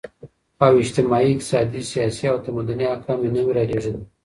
او اجتماعي، اقتصادي ، سياسي او تمدني احكام ئي نوي راليږلي